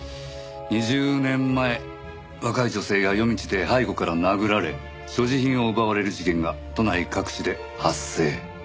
２０年前若い女性が夜道で背後から殴られ所持品を奪われる事件が都内各地で発生。